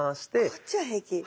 こっちは平気。